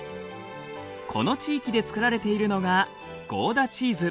この地域で作られているのがゴーダチーズ。